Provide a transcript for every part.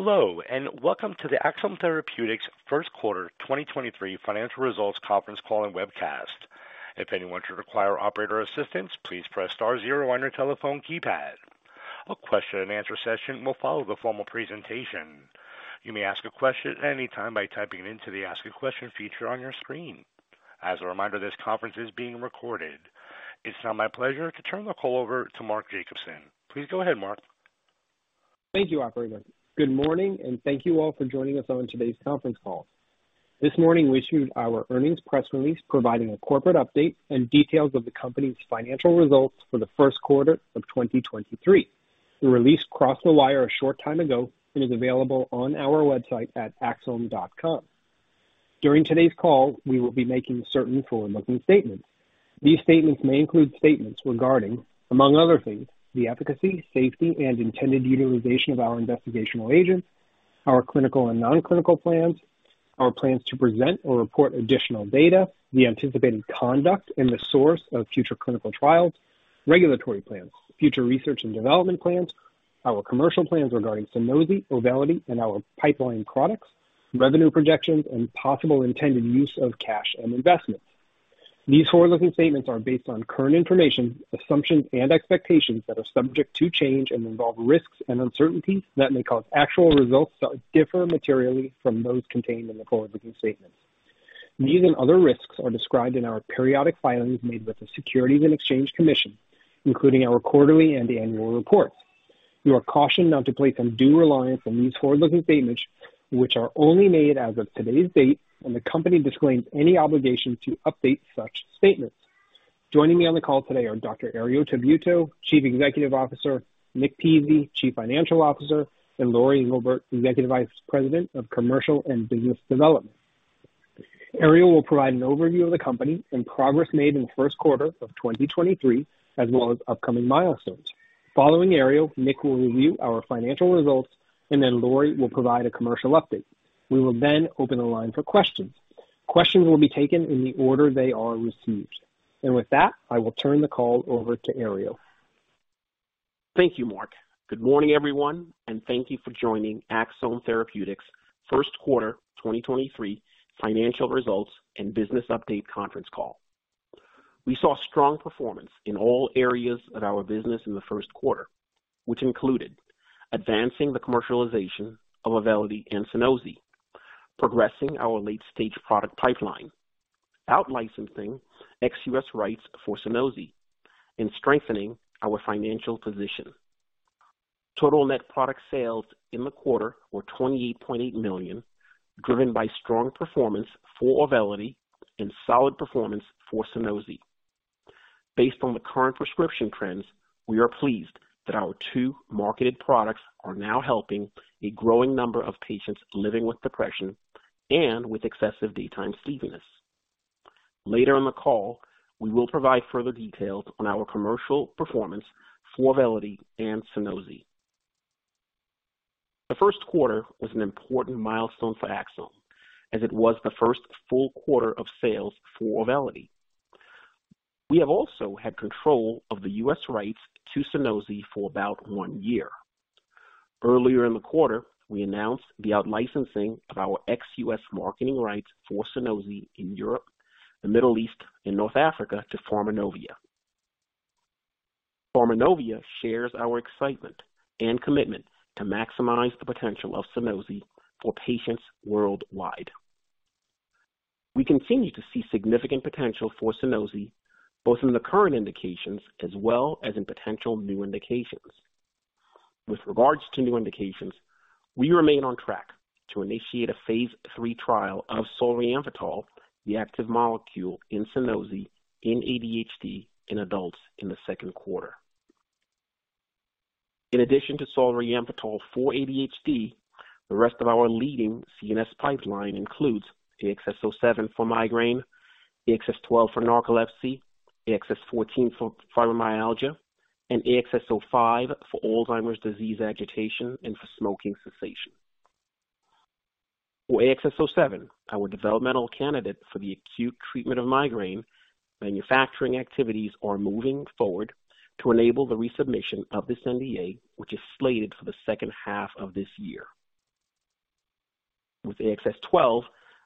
Hello, welcome to the Axsome Therapeutics First Quarter 2023 Financial Results Conference Call and Webcast. If anyone should require operator assistance, please press star zero on your telephone keypad. A question-and-answer session will follow the formal presentation. You may ask a question at any time by typing it into the ask a question feature on your screen. As a reminder, this conference is being recorded. It's now my pleasure to turn the call over to Mark Jacobson. Please go ahead, Mark. Thank you, operator. Good morning, and thank you all for joining us on today's conference call. This morning, we issued our earnings press release providing a corporate update and details of the company's financial results for the first quarter of 2023. The release crossed the wire a short time ago and is available on our website at axsome.com. During today's call, we will be making certain forward-looking statements. These statements may include statements regarding, among other things, the efficacy, safety, and intended utilization of our investigational agents, our clinical and non-clinical plans, our plans to present or report additional data, the anticipated conduct and the source of future clinical trials, regulatory plans, future research and development plans, our commercial plans regarding SUNOSI, AUVELITY, and our pipeline products, revenue projections, and possible intended use of cash and investments. These forward-looking statements are based on current information, assumptions and expectations that are subject to change and involve risks and uncertainties that may cause actual results to differ materially from those contained in the forward-looking statements. These and other risks are described in our periodic filings made with the Securities and Exchange Commission, including our quarterly and annual reports. You are cautioned not to place undue reliance on these forward-looking statements, which are only made as of today's date. The company disclaims any obligation to update such statements. Joining me on the call today are Dr. Herriot Tabuteau, Chief Executive Officer, Nick Pizzie, Chief Financial Officer, and Lori Englebert, Executive Vice President of Commercial and Business Development. Herriot will provide an overview of the company and progress made in the first quarter of 2023, as well as upcoming milestones. Following Herriot, Nick will review our financial results, and then Lori will provide a commercial update. We will then open the line for questions. Questions will be taken in the order they are received. With that, I will turn the call over to Herriot. Thank you, Mark. Good morning, everyone, and thank you for joining Axsome Therapeutics first quarter 2023 financial results and business update conference call. We saw strong performance in all areas of our business in the first quarter, which included advancing the commercialization of AUVELITY and SUNOSI, progressing our late-stage product pipeline, out-licensing ex-US rights for SUNOSI and strengthening our financial position. Total net product sales in the quarter were $28.8 million, driven by strong performance for AUVELITY and solid performance for SUNOSI. Based on the current prescription trends, we are pleased that our two marketed products are now helping a growing number of patients living with depression and with excessive daytime sleepiness. Later in the call, we will provide further details on our commercial performance for AUVELITY and SUNOSI. The first quarter was an important milestone for Axsome as it was the first full quarter of sales for AUVELITY. We have also had control of the U.S. rights to SUNOSI for about one year. Earlier in the quarter, we announced the out-licensing of our ex-U.S. marketing rights for SUNOSI in Europe, the Middle East, and North Africa to Pharmanovia. Pharmanovia shares our excitement and commitment to maximize the potential of SUNOSI for patients worldwide. We continue to see significant potential for SUNOSI, both in the current indications as well as in potential new indications. With regards to new indications, we remain on track to initiate phase 3 trial of Solriamfetol, the active molecule in SUNOSI in ADHD in adults in the second quarter. In addition to Solriamfetol for ADHD, the rest of our leading CNS pipeline includes AXS-07 for migraine, AXS-12 for narcolepsy, AXS-14 for fibromyalgia, and AXS-05 for Alzheimer's disease agitation and for smoking cessation. AXS-07, our developmental candidate for the acute treatment of migraine, manufacturing activities are moving forward to enable the resubmission of this NDA, which is slated for the second half of this year. AXS-12,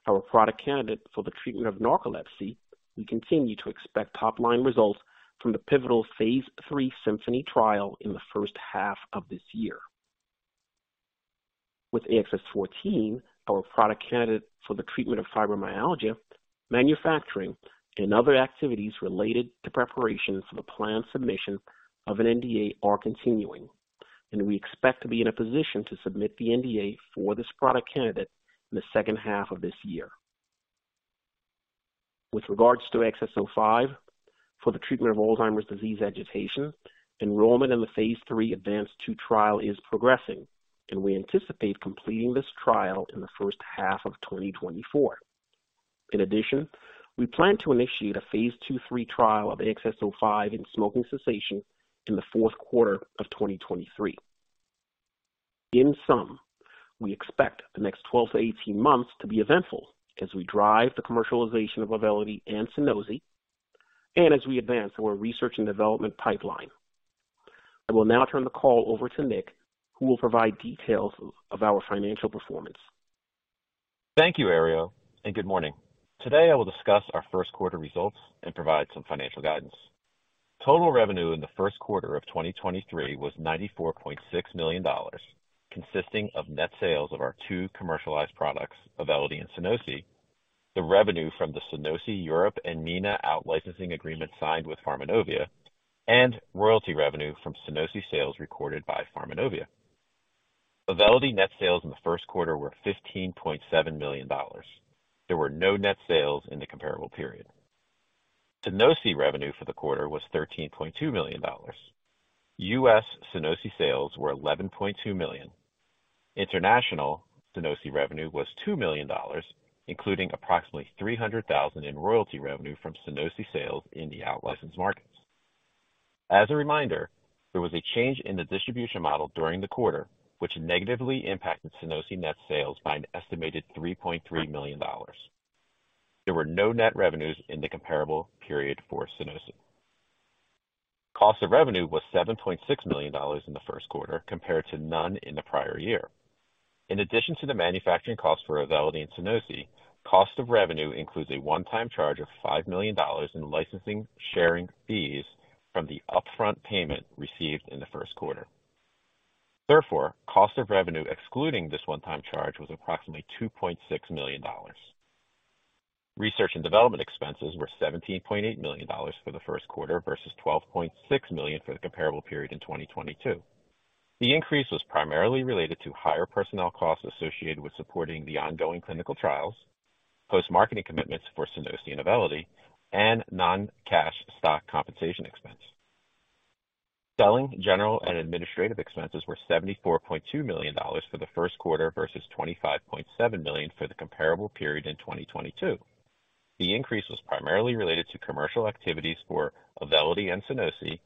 our product candidate for the treatment of narcolepsy, we continue to expect top-line results from the pivotal phase 3 SYMPHONY trial in the first half of this year. AXS-14, our product candidate for the treatment of fibromyalgia, manufacturing and other activities related to preparations for the planned submission of an NDA are continuing, and we expect to be in a position to submit the NDA for this product candidate in the second half of this year. With regards to AXS-05 for the treatment of Alzheimer's disease agitation, enrollment in the phase 3 ADVANCE-2 trial is progressing, and we anticipate completing this trial in the first half of 2024. In addition, we plan to initiate a phase 2/3 trial of AXS-05 in smoking cessation in the fourth quarter of 2023. In sum, we expect the next 12 to 18 months to be eventful as we drive the commercialization of AUVELITY and SUNOSI. As we advance our research and development pipeline, I will now turn the call over to Nick, who will provide details of our financial performance. Thank you, Herriot, and good morning. Today, I will discuss our first quarter results and provide some financial guidance. Total revenue in the first quarter of 2023 was $94.6 million, consisting of net sales of our two commercialized products, AUVELITY and SUNOSI. The revenue from the SUNOSI Europe and MENA out licensing agreement signed with Pharmanovia and royalty revenue from SUNOSI sales recorded by Pharmanovia. AUVELITY net sales in the first quarter were $15.7 million. There were no net sales in the comparable period. SUNOSI revenue for the quarter was $13.2 million. U.S. SUNOSI sales were $11.2 million. International SUNOSI revenue was $2 million, including approximately $300,000 in royalty revenue from SUNOSI sales in the out licensed markets. As a reminder, there was a change in the distribution model during the quarter, which negatively impacted SUNOSI net sales by an estimated $3.3 million. There were no net revenues in the comparable period for SUNOSI. Cost of revenue was $7.6 million in the first quarter compared to none in the prior year. In addition to the manufacturing cost for Auvelity and SUNOSI, cost of revenue includes a one-time charge of $5 million in licensing sharing fees from the upfront payment received in the Q1. Therefore, cost of revenue excluding this one-time charge was approximately $2.6 million. Research and development expenses were $17.8 million for the first quarter versus $12.6 million for the comparable period in 2022. The increase was primarily related to higher personnel costs associated with supporting the ongoing clinical trials, post-marketing commitments for SUNOSI and AUVELITY, and non-cash stock compensation expense. Selling, general and administrative expenses were $74.2 million for the first quarter versus $25.7 million for the comparable period in 2022. The increase was primarily related to commercial activities for AUVELITY and SUNOSI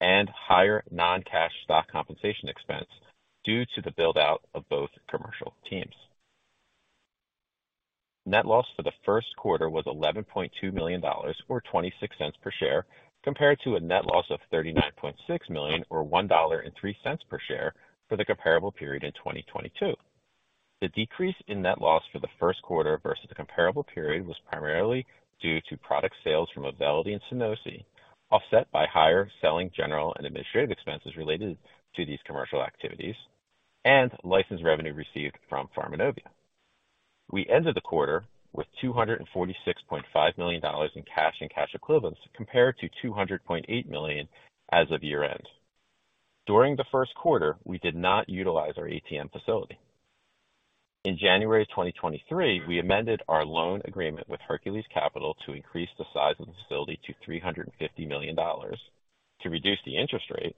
and higher non-cash stock compensation expense due to the build-out of both commercial teams. Net loss for the first quarter was $11.2 million or $0.26 per share, compared to a net loss of $39.6 million or $1.03 per share for the comparable period in 2022. The decrease in net loss for the first quarter versus the comparable period was primarily due to product sales from AUVELITY and SUNOSI, offset by higher selling, general and administrative expenses related to these commercial activities and license revenue received from Pharmanovia. We ended the quarter with $246.5 million in cash and cash equivalents compared to $200.8 million as of year-end. During the first quarter, we did not utilize our ATM facility. In January 2023, we amended our loan agreement with Hercules Capital to increase the size of the facility to $350 million to reduce the interest rate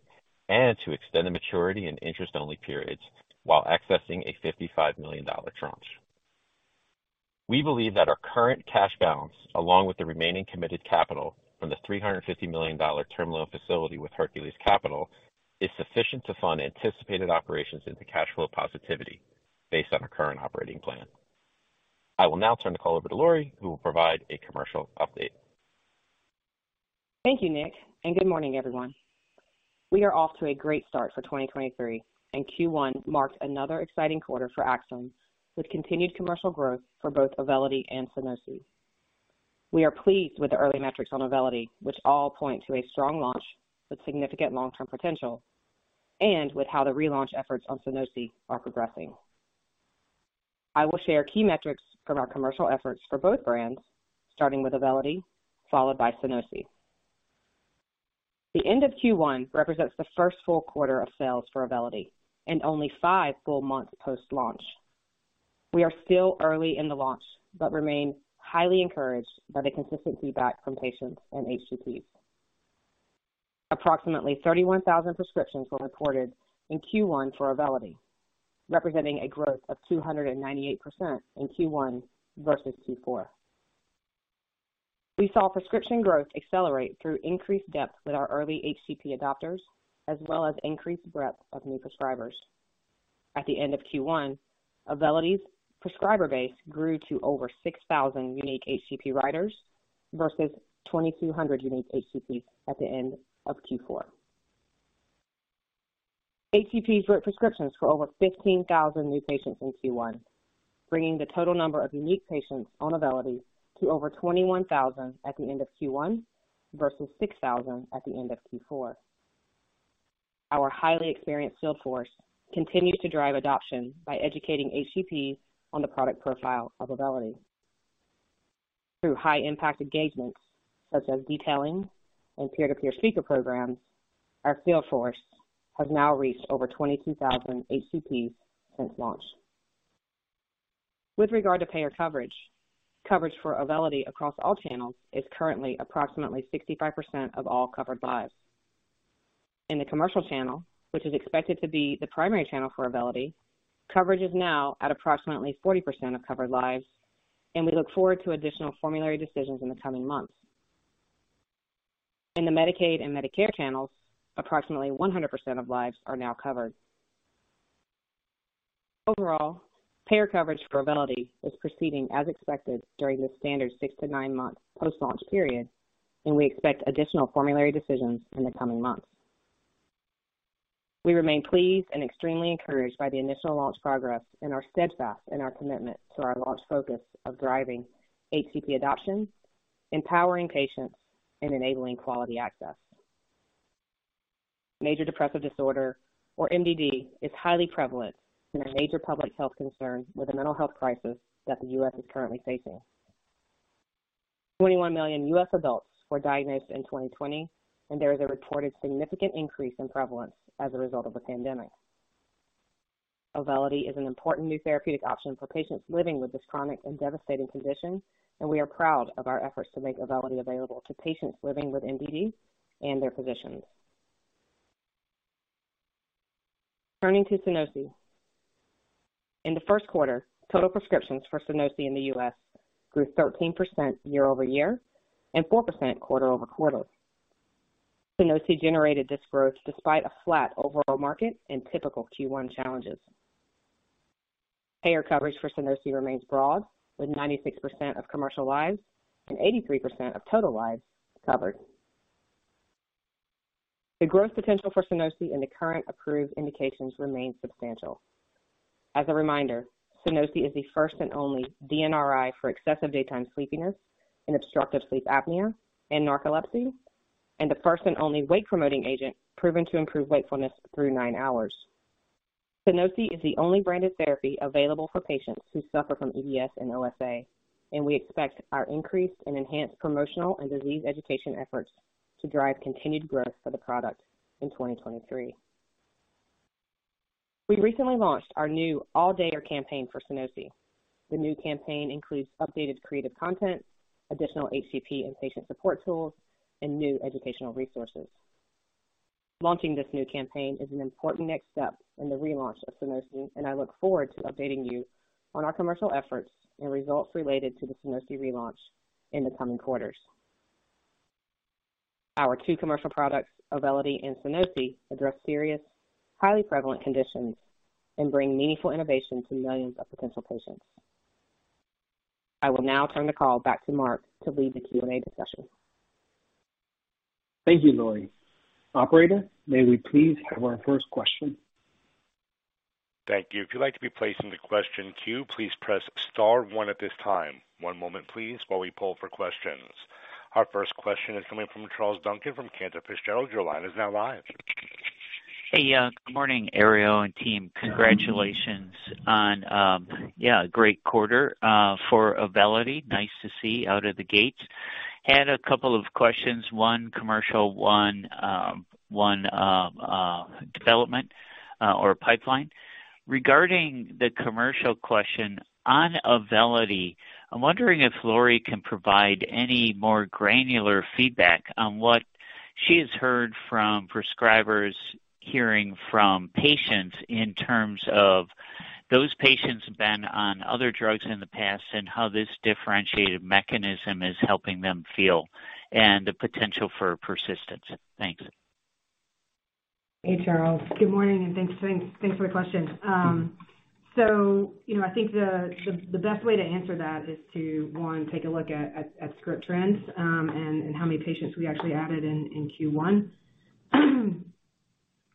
and to extend the maturity and interest-only periods while accessing a $55 million tranche. We believe that our current cash balance, along with the remaining committed capital from the $350 million term loan facility with Hercules Capital, is sufficient to fund anticipated operations into cash flow positivity based on our current operating plan. I will now turn the call over to Lori, who will provide a commercial update. Thank you, Nick, and good morning, everyone. We are off to a great start for 2023. Q1 marked another exciting quarter for Axsome with continued commercial growth for both AUVELITY and SUNOSI. We are pleased with the early metrics on AUVELITY, which all point to a strong launch with significant long-term potential and with how the relaunch efforts on SUNOSI are progressing. I will share key metrics from our commercial efforts for both brands, starting with AUVELITY followed by SUNOSI. The end of Q1 represents the first full quarter of sales for AUVELITY and only five full months post-launch. We are still early in the launch, but remain highly encouraged by the consistent feedback from patients and HCPs. Approximately 31,000 prescriptions were reported in Q1 for AUVELITY, representing a growth of 298% in Q1 versus Q4. We saw prescription growth accelerate through increased depth with our early HCP adopters as well as increased breadth of new prescribers. At the end of Q1, AUVELITY's prescriber base grew to over 6,000 unique HCP writers versus 2,200 unique HCPs at the end of Q4. HCPs wrote prescriptions for over 15,000 new patients in Q1, bringing the total number of unique patients on AUVELITY to over 21,000 at the end of Q1 versus 6,000 at the end of Q4. Our highly experienced field force continues to drive adoption by educating HCPs on the product profile of AUVELITY. Through high-impact engagements such as detailing and peer-to-peer speaker programs, our field force has now reached over 22,000 HCPs since launch. With regard to payer coverage for AUVELITY across all channels is currently approximately 65% of all covered lives. In the commercial channel, which is expected to be the primary channel for AUVELITY, coverage is now at approximately 40% of covered lives, and we look forward to additional formulary decisions in the coming months. In the Medicaid and Medicare channels, approximately 100% of lives are now covered. Overall, payer coverage for AUVELITY is proceeding as expected during the standard 6 to 9 month post-launch period, and we expect additional formulary decisions in the coming months. We remain pleased and extremely encouraged by the initial launch progress and are steadfast in our commitment to our launch focus of driving HCP adoption, empowering patients and enabling quality access. Major depressive disorder, or MDD, is highly prevalent and a major public health concern with a mental health crisis that the U.S. is currently facing. 21 million U.S. adults were diagnosed in 2020. There is a reported significant increase in prevalence as a result of the pandemic. AUVELITY is an important new therapeutic option for patients living with this chronic and devastating condition. We are proud of our efforts to make AUVELITY available to patients living with MDD and their physicians. Turning to SUNOSI. In the first quarter, total prescriptions for SUNOSI in the U.S. grew 13% year-over-year and 4% quarter-over-quarter. SUNOSI generated this growth despite a flat overall market and typical Q1 challenges. Payer coverage for SUNOSI remains broad, with 96% of commercial lives and 83% of total lives covered. The growth potential for SUNOSI in the current approved indications remains substantial. As a reminder, SUNOSI is the first and only DNRI for excessive daytime sleepiness in obstructive sleep apnea and narcolepsy, and the first and only wake promoting agent proven to improve wakefulness through 9 hours. SUNOSI is the only branded therapy available for patients who suffer from EDS and OSA. We expect our increased and enhanced promotional and disease education efforts to drive continued growth for the product in 2023. We recently launched our new All Day campaign for SUNOSI. The new campaign includes updated creative content, additional HCP and patient support tools, and new educational resources. Launching this new campaign is an important next step in the relaunch of SUNOSI. I look forward to updating you on our commercial efforts and results related to the SUNOSI relaunch in the coming quarters. Our two commercial products, AUVELITY and SUNOSI, address serious, highly prevalent conditions and bring meaningful innovation to millions of potential patients. I will now turn the call back to Mark to lead the Q&A discussion. Thank you, Lori. Operator, may we please have our first question? Thank you. If you'd like to be placed into question queue, please press star one at this time. One moment please while we pull for questions. Our first question is coming from Charles Duncan from Cantor Fitzgerald. Your line is now live. Hey, good morning, Herriot and team. Congratulations on a great quarter for AUVELITY. Nice to see out of the gates. Had a couple of questions. One commercial, one development or pipeline. Regarding the commercial question on AUVELITY, I'm wondering if Lori can provide any more granular feedback on what she has heard from prescribers hearing from patients in terms of those patients been on other drugs in the past, and how this differentiated mechanism is helping them feel and the potential for persistence. Thanks. Hey, Charles. Good morning, and thanks for the question. You know, I think the best way to answer that is to, one, take a look at script trends, and how many patients we actually added in Q1.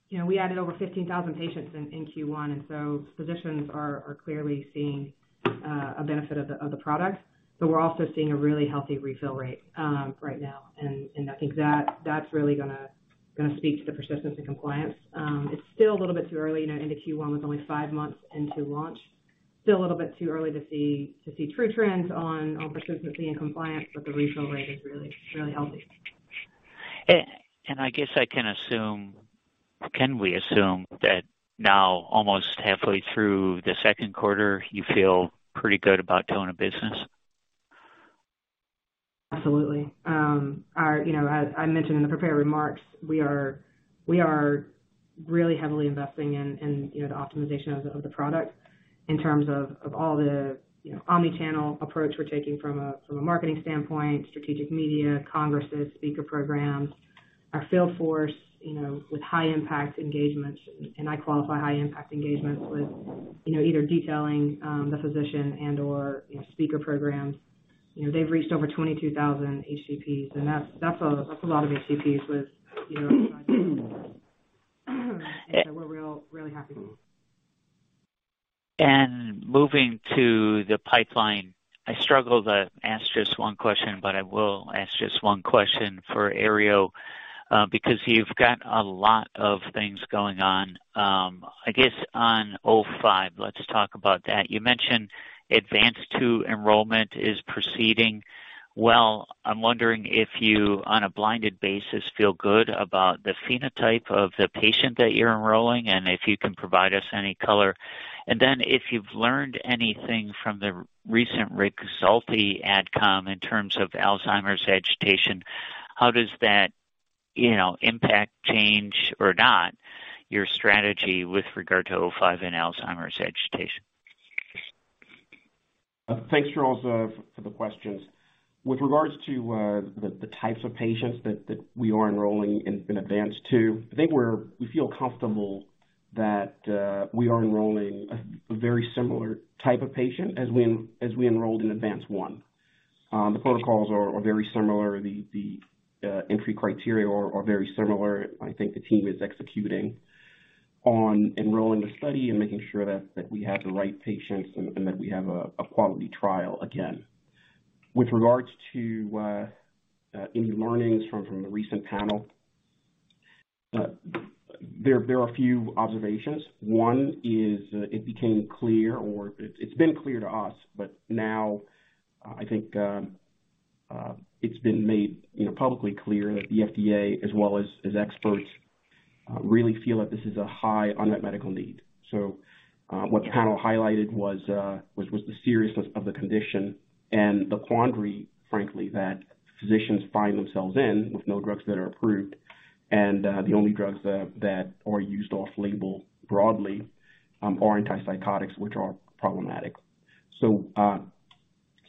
You know, we added over 15,000 patients in Q1. Physicians are clearly seeing a benefit of the product. We're also seeing a really healthy refill rate right now. I think that's really gonna speak to the persistence and compliance. It's still a little bit too early, you know, into Q1 with only 5 months into launch. Still a little bit too early to see true trends on persistence and compliance, but the refill rate is really healthy. Can we assume that now, almost halfway through the Q2, you feel pretty good about tone of business? Absolutely. Our, you know, as I mentioned in the prepared remarks, we are really heavily investing in, you know, the optimization of the product in terms of all the, you know, omni-channel approach we're taking from a marketing standpoint, strategic media, congresses, speaker programs. Our field force, you know, with high impact engagements. I qualify high impact engagements with, you know, either detailing the physician and/or, you know, speaker programs. You know, they've reached over 22,000 HCPs, and that's a lot of HCPs with, you know. We're really happy. Moving to the pipeline. I struggle to ask just one question, but I will ask just one question for Herriot, because you've got a lot of things going on. I guess on AXS-05 let's talk about that. You mentioned ADVANCE-2 enrollment is proceeding well. I'm wondering if you, on a blinded basis, feel good about the phenotype of the patient that you're enrolling and if you can provide us any color. Then if you've learned anything from the recent rig result, the AdCom in terms of Alzheimer's agitation, how does that, you know, impact change or not your strategy with regard to AXS-05 and Alzheimer's agitation? Thanks, Charles, for the questions. With regards to the types of patients that we are enrolling in ADVANCE-2, I think we feel comfortable that we are enrolling a very similar type of patient as we enrolled in ADVANCE-1. The protocols are very similar. The entry criteria are very similar. I think the team is executing on enrolling the study and making sure that we have the right patients and that we have a quality trial again. With regards to any learnings from the recent panel, there are a few observations. One is, it became clear, or it's been clear to us, but now I think, it's been made, you know, publicly clear that the FDA as well as experts, really feel that this is a high unmet medical need. What the panel highlighted was the seriousness of the condition and the quandary, frankly, that physicians find themselves in with no drugs that are approved. The only drugs that are used off-label broadly, are antipsychotics, which are problematic.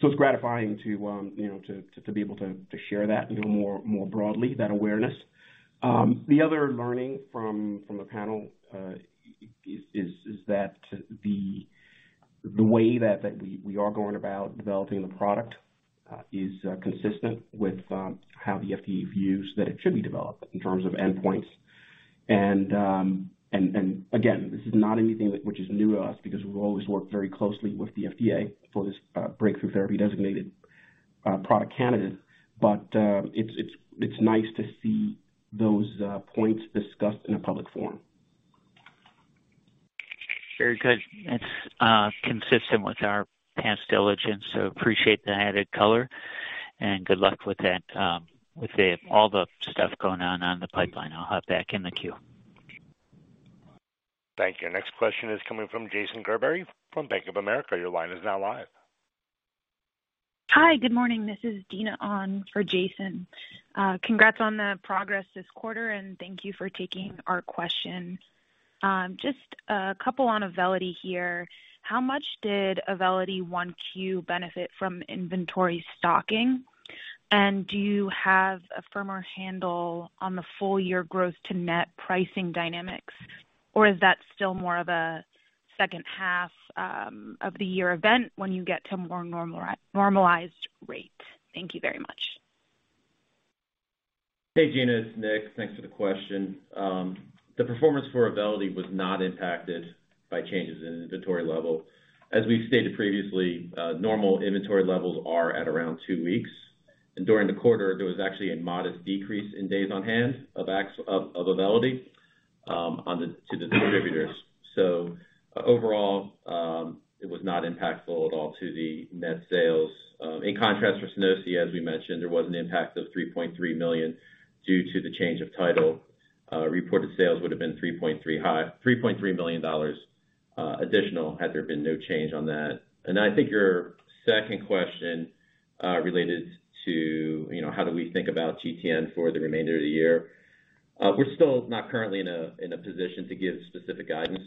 It's gratifying to, you know, to be able to share that, you know, more broadly, that awareness. The other learning from the panel is that the way that we are going about developing the product is consistent with how the FDA views that it should be developed in terms of endpoints. Again, this is not anything which is new to us because we've always worked very closely with the FDA for this breakthrough therapy designated product candidate. It's nice to see those points discussed in a public forum. Very good. It's consistent with our past diligence. Appreciate the added color and good luck with that. With all the stuff going on on the pipeline. I'll hop back in the queue. Thank you. Next question is coming from Jason Gerberry from Bank of America. Your line is now live. Hi, good morning. This is Dina on for Jason. Congrats on the progress this quarter, and thank you for taking our question. Just a couple on AUVELITY here. How much did AUVELITY Q1 benefit from inventory stocking? Do you have a firmer handle on the full year growth to net pricing dynamics, or is that still more of a second half of the year event when you get to more normalized rates? Thank you very much. Hey, Dina, it's Nick. Thanks for the question. The performance for AUVELITY was not impacted by changes in inventory level. As we've stated previously, normal inventory levels are at around 2 weeks. During the quarter, there was actually a modest decrease in days on hand of AUVELITY to the distributors. Overall, it was not impactful at all to the net sales. In contrast for SUNOSI, as we mentioned, there was an impact of $3.3 million due to the change of title. Reported sales would've been $3.3 million additional had there been no change on that. I think your second question related to, you know, how do we think about GTN for the remainder of the year. We're still not currently in a position to give specific guidance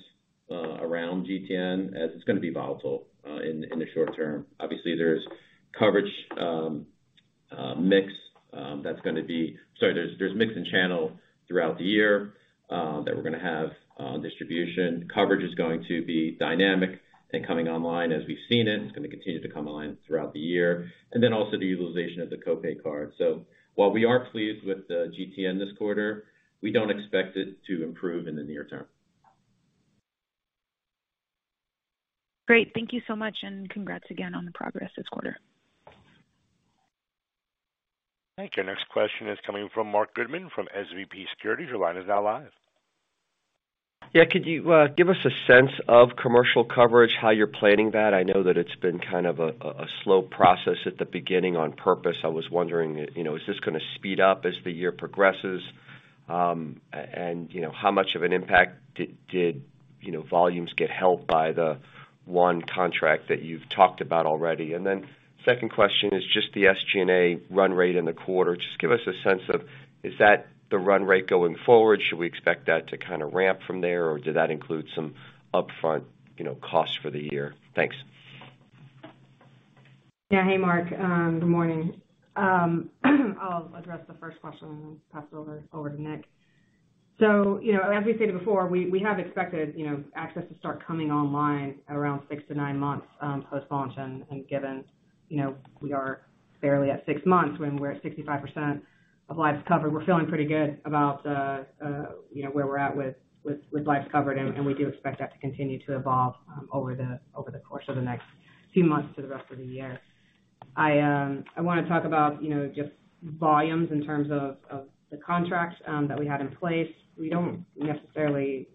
around GTN as it's gonna be volatile in the short term. Obviously, there's coverage, mix. Sorry, there's mix in channel throughout the year, that we're gonna have on distribution. Coverage is going to be dynamic and coming online as we've seen it. It's gonna continue to come online throughout the year. Also the utilization of the co-pay card. While we are pleased with the GTN this quarter, we don't expect it to improve in the near term. Great. Thank you so much, and congrats again on the progress this quarter. Thank you. Next question is coming from Marc Goodman from SVB Securities. Your line is now live. Yeah. Could you give us a sense of commercial coverage, how you're planning that? I know that it's been kind of a slow process at the beginning on purpose. I was wondering, you know, is this gonna speed up as the year progresses? You know, how much of an impact did, you know, volumes get helped by the one contract that you've talked about already? Second question is just the SG&A run rate in the quarter. Just give us a sense of is that the run rate going forward? Should we expect that to kinda ramp from there, or did that include some upfront, you know, costs for the year? Thanks. Yeah. Hey, Marc. Good morning. I'll address the first question and then pass it over to Nick. you know, as we've stated before, we have expected, you know, Axsome to start coming online around six to nine months post-launch. given, you know, we are barely atsix6 months, when we're at 65% of lives covered, we're feeling pretty good about, you know, where we're at with lives covered. we do expect that to continue to evolve over the course of the next few months to the rest of the year. I wanna talk about, you know, just volumes in terms of the contracts that we have in place. We don't necessarily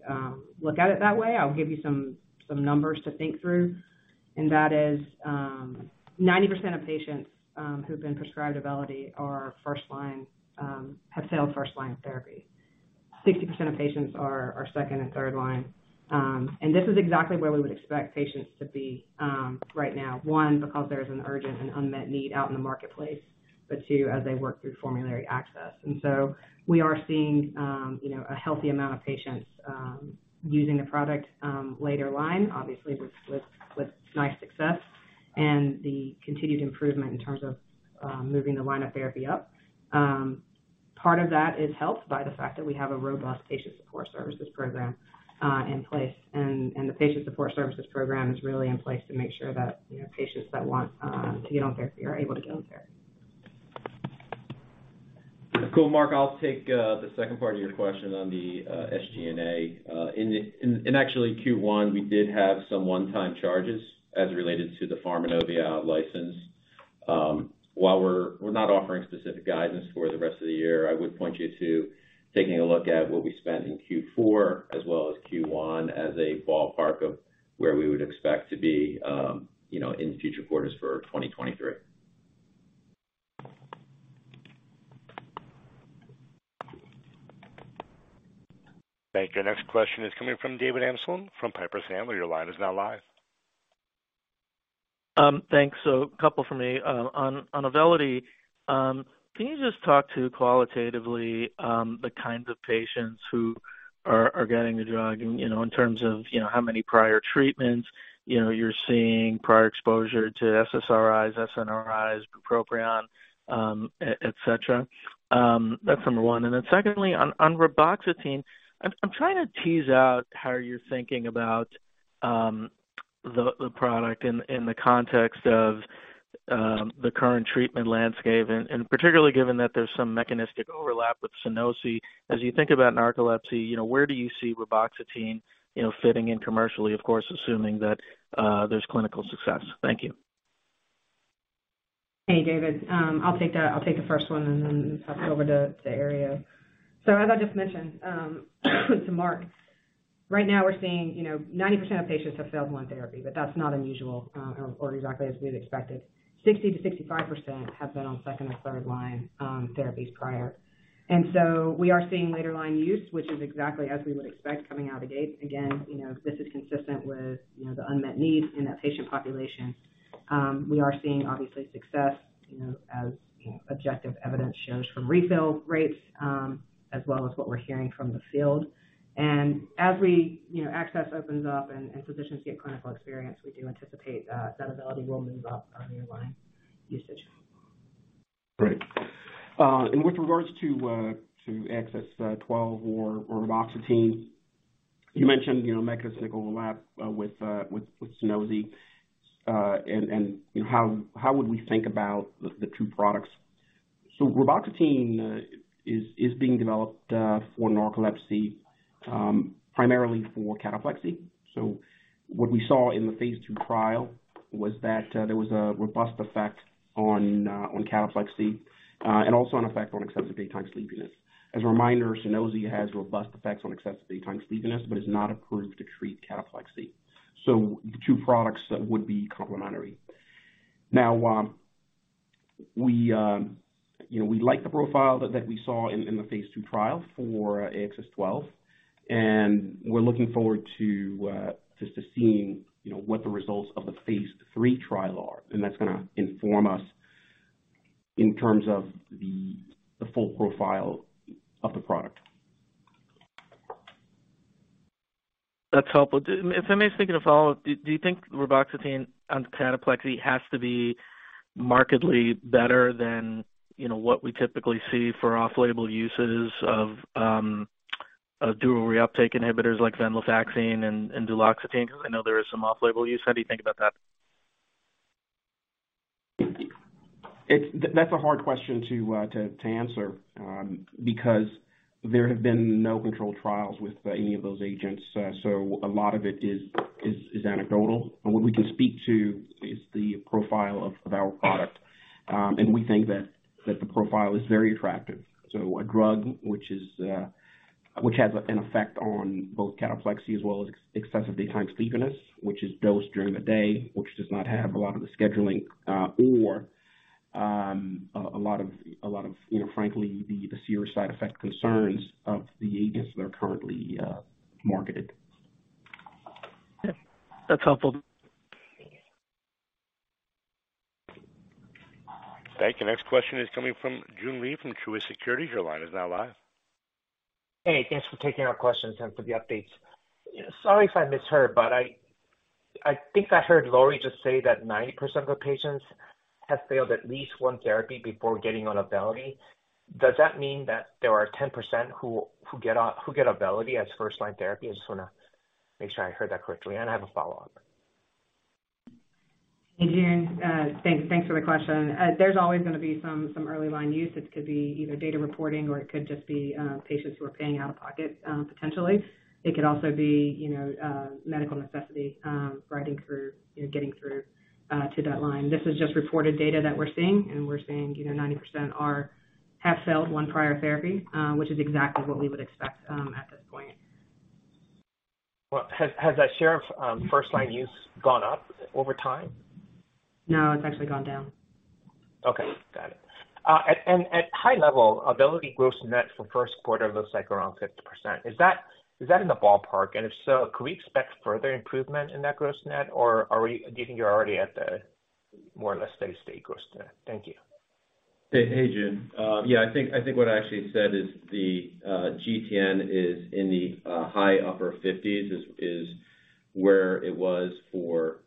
look at it that way. I'll give you some numbers to think through, and that is 90% of patients who've been prescribed AUVELITY are first line, have failed first line of therapy. 60% of patients are second and third line. This is exactly where we would expect patients to be right now. One, because there is an urgent and unmet need out in the marketplace, but two, as they work through formulary access. We are seeing, you know, a healthy amount of patients using the product later line, obviously with nice success and the continued improvement in terms of moving the line of therapy up. Part of that is helped by the fact that we have a robust patient support services program in place. The patient support services program is really in place to make sure that, you know, patients that want to get on therapy are able to get on therapy. Cool. Marc, I'll take the second part of your question on the SG&A. In actually Q1, we did have some one-time charges as related to the Pharmanovia license. While we're not offering specific guidance for the rest of the year, I would point you to taking a look at what we spent in Q4 as well as Q1 as a ballpark of where we would expect to be, you know, in future quarters for 2023. Thank you. Next question is coming from David Amsellem, from Piper Sandler. Your line is now live. Thanks. A couple from me. On AUVELITY, can you just talk to qualitatively the kinds of patients who are getting the drug and, you know, in terms of, you know, how many prior treatments, you know, you're seeing prior exposure to SSRIs, SNRIs, bupropion, et cetera. That's number one. Secondly, on reboxetine, I'm trying to tease out how you're thinking about the product in the context of the current treatment landscape, and particularly given that there's some mechanistic overlap with SUNOSI. As you think about narcolepsy, you know, where do you see reboxetine, you know, fitting in commercially? Of course, assuming that there's clinical success. Thank you. Hey, David. I'll take the first one and then pass it over to Herriot. As I just mentioned, to Marc, right now we're seeing, you know, 90% of patients have failed one therapy, but that's not unusual, or exactly as we'd expected. 60%-65% have been on second or third line, therapies prior. We are seeing later line use, which is exactly as we would expect coming out of the gate. Again, you know, this is consistent with, you know, the unmet need in that patient population. We are seeing obviously success, you know, as, you know, objective evidence shows from refill rates, as well as what we're hearing from the field. As we, you know, access opens up and physicians get clinical experience, we do anticipate that AUVELITY will move up on your line usage. Great. With regards to AXS-12 or reboxetine, you mentioned, you know, mechanistic overlap with SUNOSI, and how would we think about the two products? Reboxetine is being developed for narcolepsy, primarily for cataplexy. What we saw in the phase two trial was that there was a robust effect on cataplexy, and also an effect on excessive daytime sleepiness. As a reminder, SUNOSI has robust effects on excessive daytime sleepiness, but is not approved to treat cataplexy. The two products would be complementary. We, you know, we like the profile that we saw in the phase two trial for AXS-12, and we're looking forward to just seeing, you know, what the results of the phase three trial are, and that's gonna inform us in terms of the full profile of the product. That's helpful. If I may seek a follow-up. Do you think reboxetine on cataplexy has to be markedly better than, you know, what we typically see for off-label uses of dual reuptake inhibitors like venlafaxine and duloxetine? 'Cause I know there is some off-label use. How do you think about that? It's that's a hard question to answer because there have been no controlled trials with any of those agents. A lot of it is anecdotal. What we can speak to is the profile of our product. We think that the profile is very attractive. A drug which is which has an effect on both cataplexy as well as excessive daytime sleepiness, which is dosed during the day, which does not have a lot of the scheduling or a lot of, you know, frankly, the serious side effect concerns of the agents that are currently marketed. Yeah. That's helpful. Thank you. Next question is coming from Joon Lee from Truist Securities. Your line is now live. Hey, thanks for taking our questions and for the updates. Sorry if I misheard, but I think I heard Lori just say that 90% of the patients have failed at least one therapy before getting on AUVELITY. Does that mean that there are 10% who get on, who get AUVELITY as first-line therapy? I just wanna make sure I heard that correctly. I have a follow-up. Hey, Joon. Thanks for the question. There's always going to be some early line usage. Could be either data reporting or it could just be patients who are paying out of pocket, potentially. It could also be, you know, medical necessity, riding through, you know, getting through to that line. This is just reported data that we're seeing. We're seeing, you know, 90% have failed one prior therapy, which is exactly what we would expect. Well, has that share of first line use gone up over time? No, it's actually gone down. Okay. Got it. At high level, AUVELITY gross net for first quarter looks like around 50%. Is that in the ballpark? If so, could we expect further improvement in that gross net, or do you think you're already at the more or less steady-state gross net? Thank you. Hey, Joon. Yeah, I think what I actually said is the GTN is in the high upper fifties is where it was for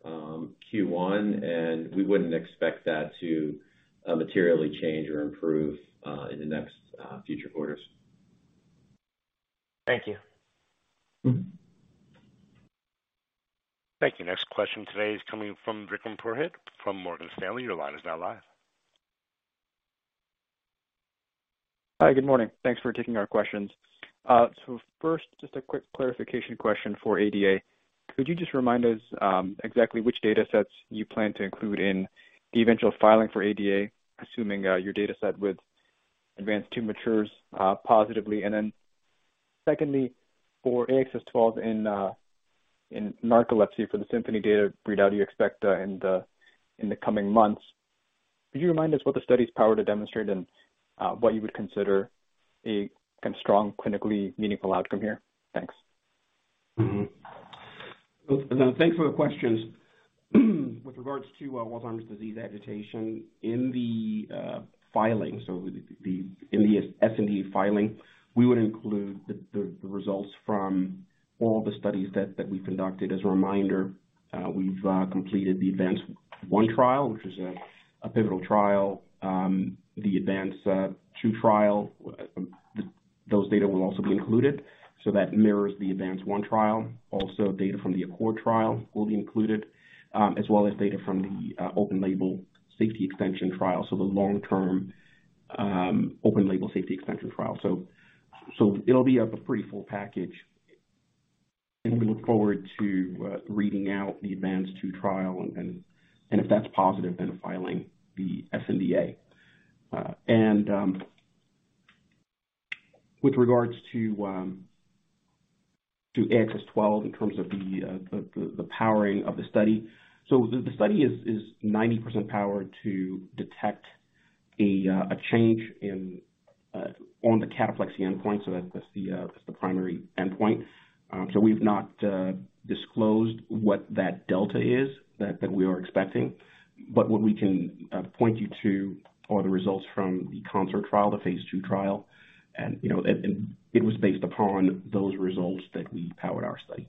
Q1. We wouldn't expect that to materially change or improve in the next future quarters. Thank you. Mm-hmm. Thank you. Next question today is coming from Vikram Purohit from Morgan Stanley. Your line is now live. Hi, good morning. Thanks for taking our questions. First, just a quick clarification question for ADA. Could you just remind us exactly which datasets you plan to include in the eventual filing for ADA, assuming your dataset with ADVANCE-2 matures positively? Secondly, for AXS-12 in narcolepsy, for the SYMPHONY data readout you expect in the coming months, could you remind us what the study's power to demonstrate and what you would consider a kind of strong, clinically meaningful outcome here? Thanks. Thanks for the questions. With regards to Alzheimer's Disease Agitation in the filing, so the in the sNDA filing, we would include the results from all the studies that we conducted. As a reminder, we've completed the Advance one trial, which is a pivotal trial, the Advance two trial. Those data will also be included, so that mirrors the Advance one trial. Also, data from the Accord trial will be included, as well as data from the open label safety extension trial. The long term open label safety extension trial. It'll be a pretty full package, and we look forward to reading out the Advance two trial and if that's positive, then filing the sNDA. With regards to AXS-12 in terms of the powering of the study. The study is 90% powered to detect a change on the cataplexy endpoint. That's the primary endpoint. We've not disclosed what that delta is that we are expecting. What we can point you to are the results from the CONCERT trial, the phase 2 trial. You know, it was based upon those results that we powered our study.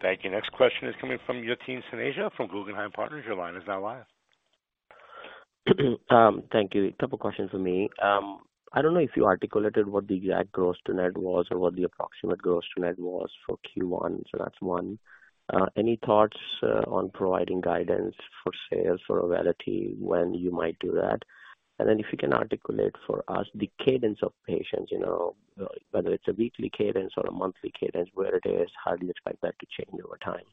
Thank you. Next question is coming from Yatin Suneja from Guggenheim Partners. Your line is now live. Thank you. A couple questions for me. I don't know if you articulated what the exact gross-to-net was or what the approximate gross-to-net was for Q1. That's one. Any thoughts on providing guidance for sales for AUVELITY when you might do that? If you can articulate for us the cadence of patients, you know, whether it's a weekly cadence or a monthly cadence, where it is, how do you expect that to change over time?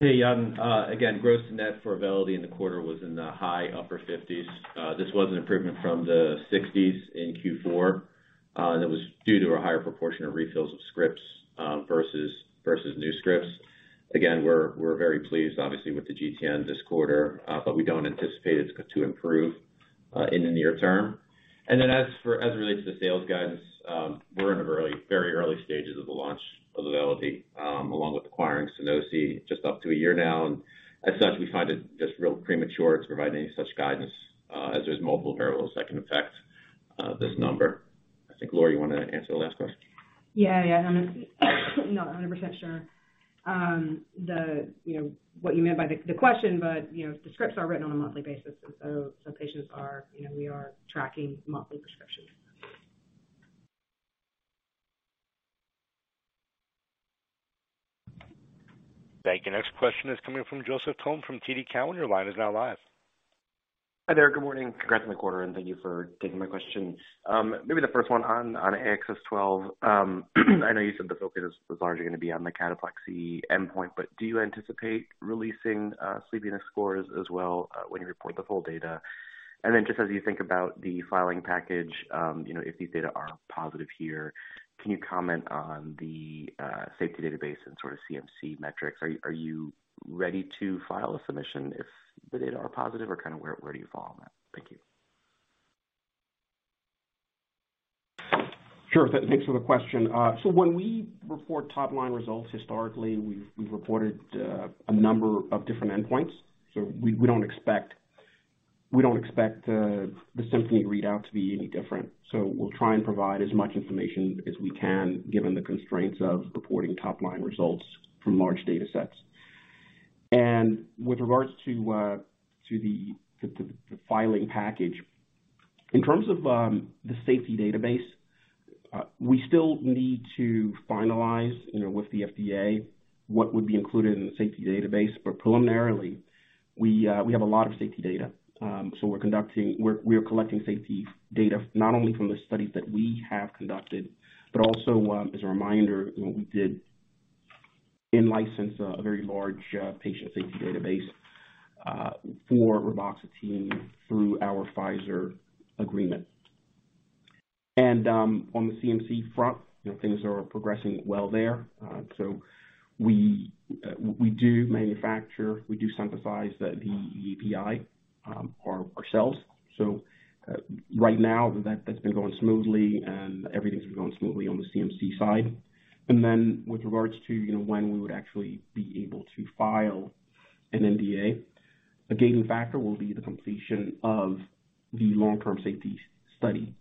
Hey, Yatin. Again, gross to net for AUVELITY in the quarter was in the high upper 50s. This was an improvement from the 60s in Q4, and it was due to a higher proportion of refills of scripts versus new scripts. Again, we're very pleased obviously with the GTN this quarter, but we don't anticipate it to improve in the near term. As it relates to the sales guidance, we're in a very, very early stages of the launch of AUVELITY, along with acquiring SUNOSI just up to a year now. As such, we find it just real premature to provide any such guidance, as there's multiple variables that can affect this number. I think, Lori, you wanna answer the last question? Yeah. Yeah. I'm not 100% sure, the, you know, what you meant by the question. You know, the scripts are written on a monthly basis. Patients are, you know, we are tracking monthly prescriptions. Thank you. Next question is coming from Joseph Thome from TD Cowen. Your line is now live. Hi there. Good morning. Congrats on the quarter. Thank you for taking my questions. Maybe the first one on AXS-12. I know you said the focus was largely gonna be on the cataplexy endpoint, but do you anticipate releasing sleepiness scores as well when you report the full data? Then just as you think about the filing package, you know, if these data are positive here, can you comment on the safety database and sort of CMC metrics? Are you ready to file a submission if the data are positive or kind of where do you fall on that? Thank you. Sure thing. Thanks for the question. When we report top-line results, historically, we've reported a number of different endpoints. We don't expect the SYMPHONY readout to be any different. We'll try and provide as much information as we can, given the constraints of reporting top-line results from large datasets. With regards to the filing package. In terms of the safety database, we still need to finalize, you know, with the FDA what would be included in the safety database. Preliminarily, we have a lot of safety data. We're collecting safety data not only from the studies that we have conducted, but also, as a reminder, you know, we in-license a very large patient safety database for reboxetine through our Pfizer agreement. On the CMC front, you know, things are progressing well there. We do manufacture, we do synthesize the API or ourselves. Right now that's been going smoothly and everything's been going smoothly on the CMC side. With regards to, you know, when we would actually be able to file an NDA, a gating factor will be the completion of the long-term safety study.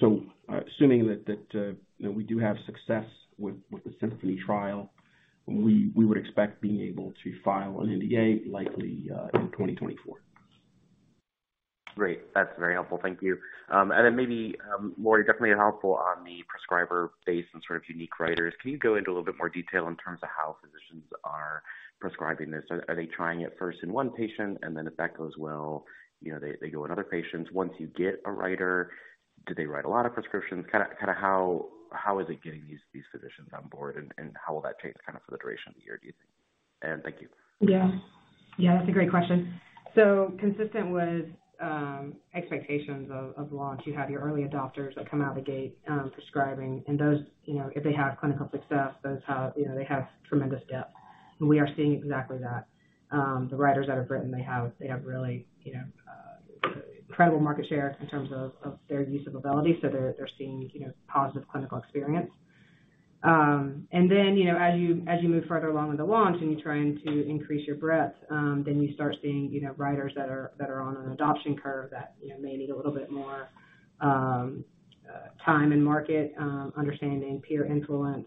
Assuming that, you know, we do have success with the SYMPHONY trial, we would expect being able to file an NDA likely in 2024. Great. That's very helpful. Thank you. Then maybe, Lori, definitely helpful on the prescriber base and sort of unique writers. Can you go into a little bit more detail in terms of how physicians are prescribing this? Are they trying it first in one patient and then if that goes well, you know, they go in other patients. Once you get a writer, do they write a lot of prescriptions? Kinda how is it getting these physicians on board and how will that change kinda for the duration of the year, do you think? Thank you. Yeah. Yeah, that's a great question. Consistent with expectations of launch, you have your early adopters that come out of the gate prescribing. Those, you know, if they have clinical success, those have, you know, they have tremendous depth. We are seeing exactly that. The writers that have written, they have really, you know, incredible market share in terms of their use of AUVELITY. They're, they're seeing, you know, positive clinical experience. You know, as you move further along in the launch and you're trying to increase your breadth, you start seeing, you know, writers that are on an adoption curve that, you know, may need a little bit more time and market understanding, peer influence,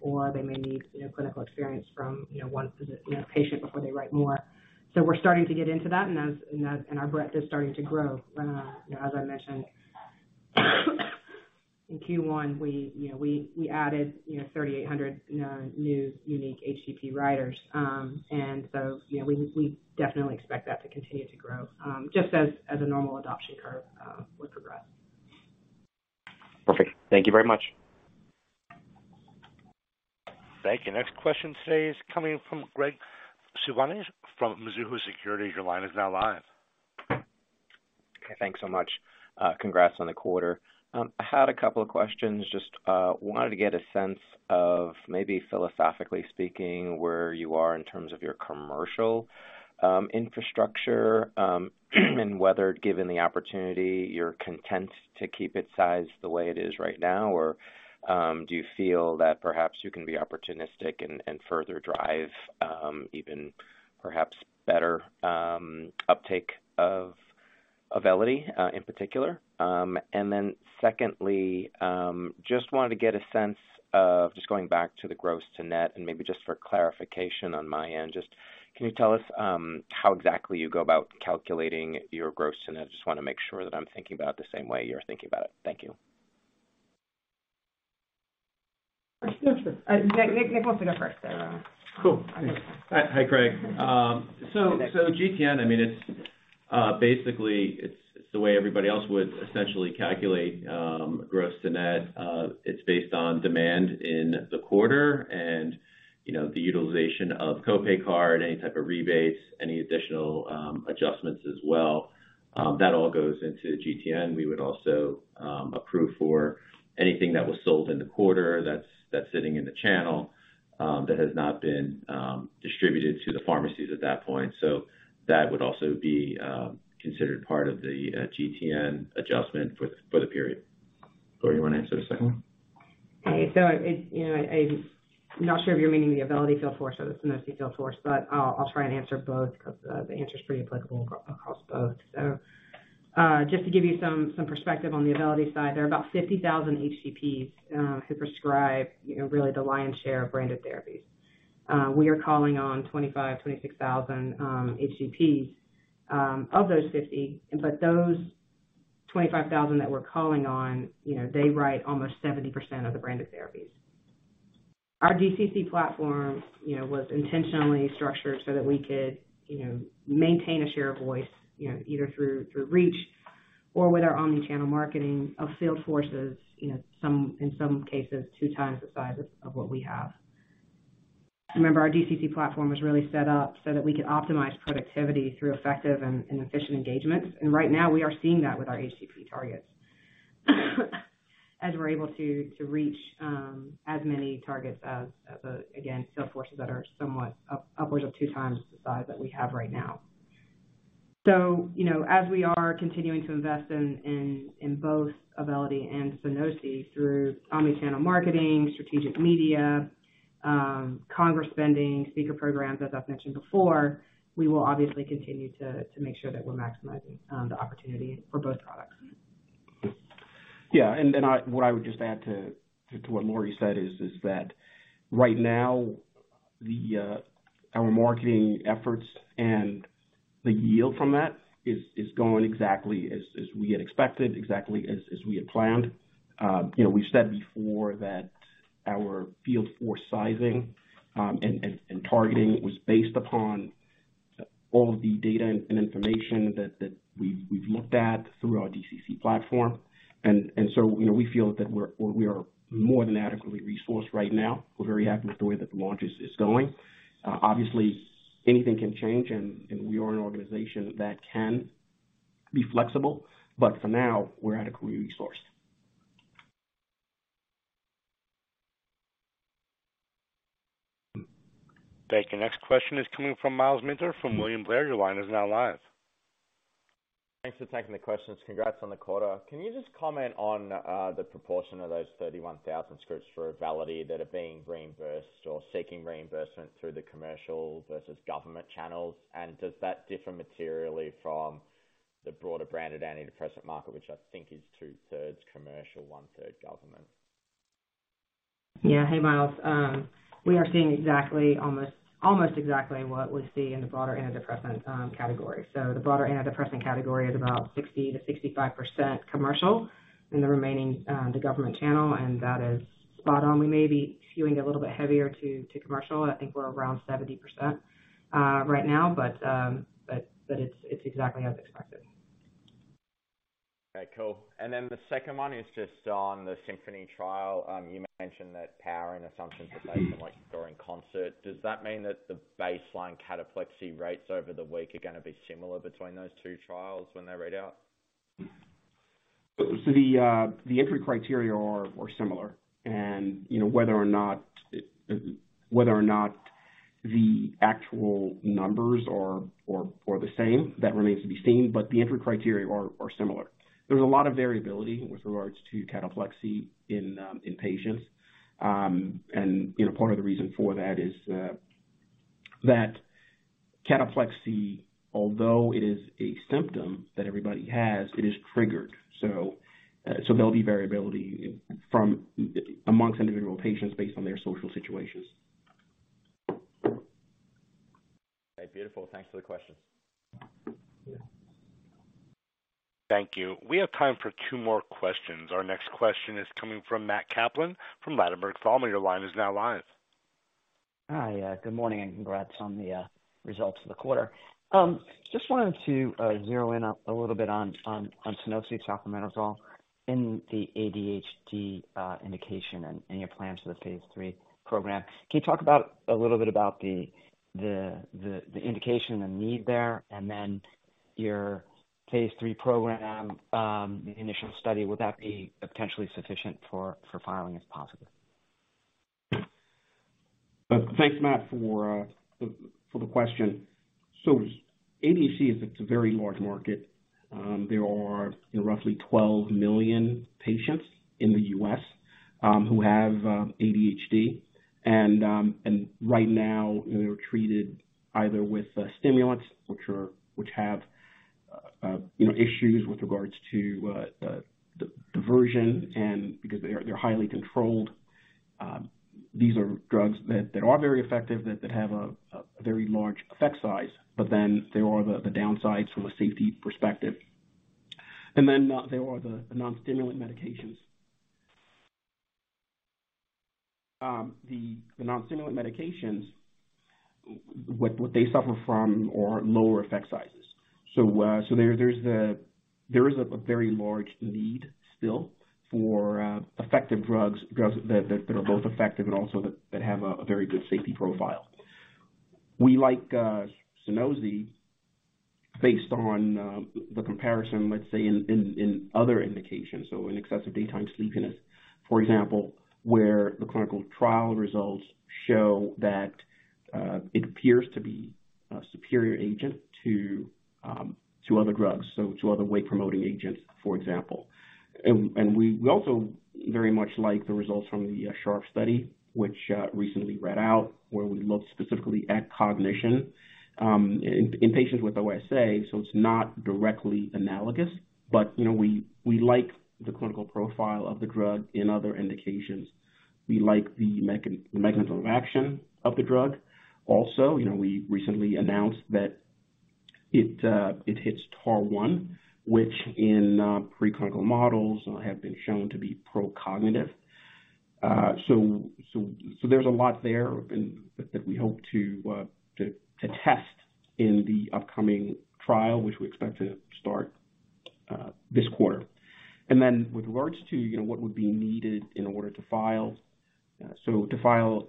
or they may need, you know, clinical experience from, you know, one patient before they write more. We're starting to get into that, and our breadth is starting to grow. You know, as I mentioned, in Q1, we added 3,800 new unique HCP writers. You know, we definitely expect that to continue to grow, just as a normal adoption curve would progress. Perfect. Thank you very much. Thank you. Next question today is coming from Graig Suvannavejh from Mizuho Securities. Your line is now live. Okay. Thanks so much. Congrats on the quarter. I had a couple of questions. Just wanted to get a sense of maybe philosophically speaking, where you are in terms of your commercial infrastructure, whether given the opportunity, you're content to keep its size the way it is right now. Do you feel that perhaps you can be opportunistic and further drive even perhaps better uptake of AUVELITY in particular? Secondly, just wanted to get a sense of just going back to the gross to net and maybe just for clarification on my end, just can you tell us how exactly you go about calculating your gross net? I just wanna make sure that I'm thinking about it the same way you're thinking about it. Thank you. Sure. Nick wants to go first. Cool. Hi, Graig. GTN, I mean, it's basically the way everybody else would essentially calculate gross to net. It's based on demand in the quarter and, you know, the utilization of co-pay card, any type of rebates, any additional adjustments as well. That all goes into GTN. We would also accrue for anything that was sold in the quarter that's sitting in the channel that has not been distributed to the pharmacies at that point. That would also be considered part of the GTN adjustment for the period. Lori, you wanna answer the second one? Okay. It... You know, I'm not sure if you're meaning the AUVELITY field force or the SUNOSI field force, but I'll try and answer both 'cause the answer is pretty applicable across both. Just to give you some perspective on the AUVELITY side, there are about 50,000 HCPs who prescribe, you know, really the lion's share of branded therapies. We are calling on 25,000-26,000 HCPs of those 50. Those 25,000 that we're calling on, you know, they write almost 70% of the branded therapies. Our DCC platform, you know, was intentionally structured so that we could, you know, maintain a share of voice, you know, either through reach or with our omni-channel marketing of sales forces, you know, in some cases, 2 times the size of what we have. Remember, our DCC platform was really set up so that we could optimize productivity through effective and efficient engagements. Right now we are seeing that with our HCP targets. As we're able to reach as many targets as again, sales forces that are somewhat upwards of 2 times the size that we have right now. You know, as we are continuing to invest in both AUVELITY and SUNOSI through omni-channel marketing, strategic media, congress spending, speaker programs, as I've mentioned before, we will obviously continue to make sure that we're maximizing the opportunity for both products. Yeah. Then what I would just add to what Lori said is that right now the our marketing efforts and the yield from that is going exactly as we had expected, exactly as we had planned. you know, we've said before that our field force sizing and targeting was based upon all of the data and information that we've looked at through our DCC platform. you know, we feel that we are more than adequately resourced right now. We're very happy with the way that the launch is going. obviously anything can change and we are an organization that can be flexible, but for now, we're adequately resourced. Thank you. Next question is coming from Myles Minter from William Blair. Your line is now live. Thanks for taking the questions. Congrats on the quarter. Can you just comment on the proportion of those 31,000 scripts for AUVELITY that are being reimbursed or seeking reimbursement through the commercial versus government channels? Does that differ materially from the broader branded antidepressant market, which I think is 2/3 commercial, 1/3 government? Yeah. Hey, Myles. We are seeing almost exactly what we see in the broader antidepressant category. The broader antidepressant category is about 60% to 65% commercial, and the remaining, the government channel, and that is spot on. We may be skewing a little bit heavier to commercial. I think we're around 70% right now. But it's exactly as expected. Okay, cool. Then the second one is just on the SYMPHONY trial. You mentioned that power and assumptions are based on, like, during CONCERT. Does that mean that the baseline cataplexy rates over the week are gonna be similar between those two trials when they read out? The entry criteria are similar. You know, whether or not, whether or not the actual numbers are the same, that remains to be seen, but the entry criteria are similar. There's a lot of variability with regards to cataplexy in patients. You know, part of the reason for that is, that cataplexy, although it is a symptom that everybody has, it is triggered. There'll be variability from amongst individual patients based on their social situations. Okay, beautiful. Thanks for the question. Thank you. We have time for 2 more questions. Our next question is coming from Matt Kaplan from Ladenburg Thalmann. Your line is now live. Hi. Yeah. Good morning, and congrats on the results of the quarter. Just wanted to zero in a little bit on Sunosi sucralfate in the ADHD indication and your plans for the Phase 3 Program. Can you talk about a little about the indication and the need there, and then your phase 3 program, the initial study, would that be potentially sufficient for filing as possible? Thanks, Matt, for the question. ADHD is a very large market. There are roughly 12 million patients in the U.S. who have ADHD. Right now, they're treated either with stimulants, which have, you know, issues with regards to diversion, and because they're highly controlled. These are drugs that are very effective, that have a very large effect size, but then there are the downsides from a safety perspective. Then there are the non-stimulant medications. The non-stimulant medications, what they suffer from are lower effect sizes. There is a very large need still for effective drugs that are both effective and also that have a very good safety profile. We like SUNOSI based on the comparison, let's say, in other indications, so in excessive daytime sleepiness, for example, where the clinical trial results show that it appears to be a superior agent to other drugs, so to other wake-promoting agents, for example. We also very much like the results from the SHARP study, which recently read out, where we looked specifically at cognition in patients with OSA. It's not directly analogous, but, you know, we like the clinical profile of the drug in other indications. We like the mechanism of action of the drug. You know, we recently announced that it hits TAAR1, which in preclinical models have been shown to be pro-cognitive. There's a lot there that we hope to test in the upcoming trial, which we expect to start this quarter. With regards to, you know, what would be needed in order to file. To file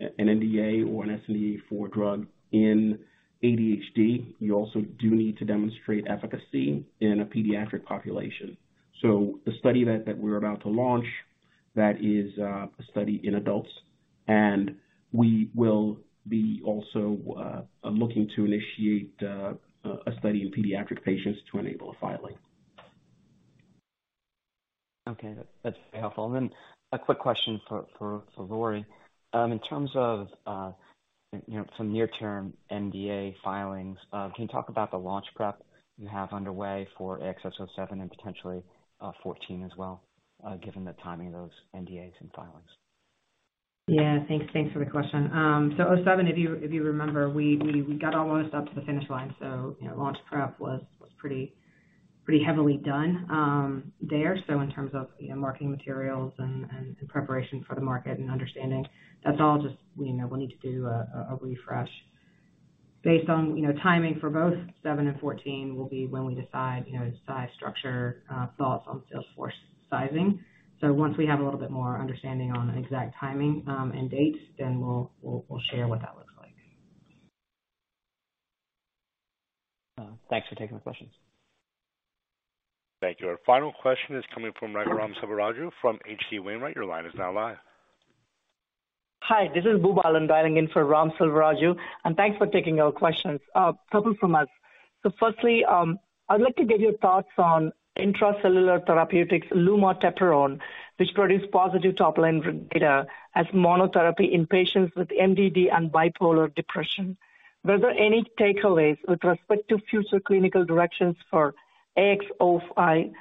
an NDA or an sNDA for drug in ADHD, you also do need to demonstrate efficacy in a pediatric population. The study that we're about to launch, that is a study in adults, and we will be also looking to initiate a study in pediatric patients to enable a filing. Okay. That's very helpful. A quick question for Lori. In terms of, you know, some near-term NDA filings, can you talk about the launch prep you have underway for AXS-07 and potentially, AXS-14 as well, given the timing of those NDAs and filings? Yeah. Thanks for the question. AXS-07, if you remember, we got almost up to the finish line. You know, launch prep was pretty heavily done there. In terms of, you know, marketing materials and preparation for the market and understanding, that's all just, you know, we'll need to do a refresh. Based on, you know, timing for both 7 and 14 will be when we decide, you know, size, structure, thoughts on sales force sizing. Once we have a little bit more understanding on exact timing and dates, then we'll share what that looks like. Thanks for taking the questions. Thank you. Our final question is coming from Ram Selvaraju from H.C. Wainwright. Your line is now live. Hi, this is Bubal dialing in for Ram Selvaraju. Thanks for taking our questions. Couple from us. Firstly, I'd like to get your thoughts on Intra-Cellular Therapies, lumateperone, which produced positive top-line data as monotherapy in patients with MDD and bipolar depression. Were there any takeaways with respect to future clinical directions for AXS-05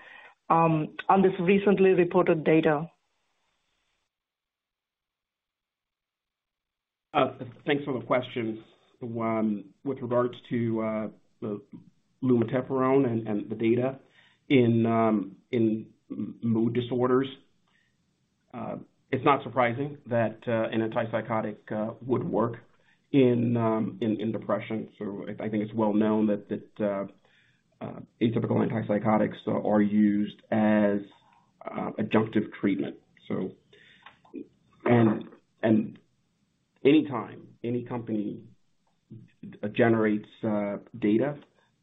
on this recently reported data? Thanks for the question. With regards to the lumateperone and the data in mood disorders, it's not surprising that an antipsychotic would work in depression. I think it's well known that atypical antipsychotics are used as adjunctive treatment. Any time any company generates data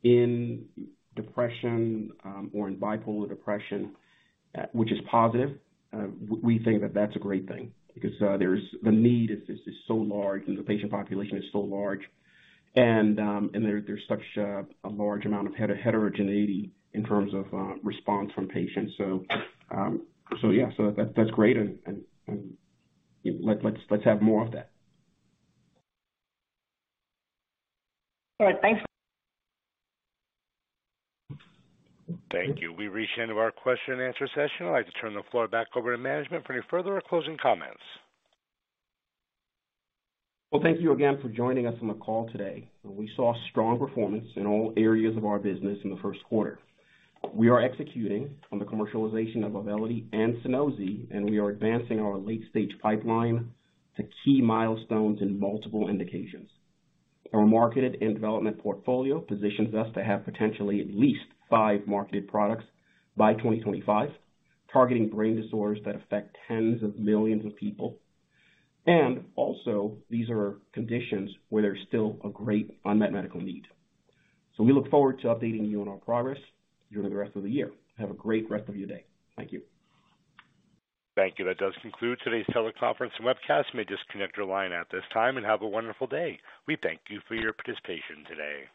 in depression or in bipolar depression, which is positive, we think that that's a great thing because the need is so large and the patient population is so large. There's such a large amount of heterogeneity in terms of response from patients. Yeah. That's great. Let's have more of that. All right. Thanks. Thank you. We've reached the end of our question and answer session. I'd like to turn the floor back over to management for any further or closing comments. Well, thank you again for joining us on the call today. We saw strong performance in all areas of our business in the first quarter. We are executing on the commercialization of AUVELITY and SUNOSI, and we are advancing our late-stage pipeline to key milestones in multiple indications. Our marketed and development portfolio positions us to have potentially at least five marketed products by 2025, targeting brain disorders that affect tens of millions of people. Also these are conditions where there's still a great unmet medical need. We look forward to updating you on our progress during the rest of the year. Have a great rest of your day. Thank you. Thank you. That does conclude today's teleconference and webcast. You may disconnect your line at this time and have a wonderful day. We thank you for your participation today.